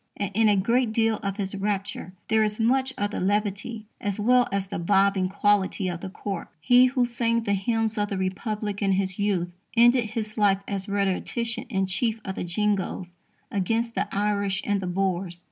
And, in a great deal of his rapture, there is much of the levity as well as the "bobbing" quality of the cork. He who sang the hymns of the Republic in his youth, ended his life as rhetorician in chief of the Jingoes against the Irish and the Boers.